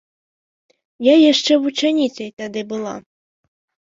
Я яшчэ вучаніцай тады была.